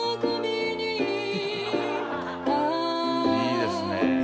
いいですねえ。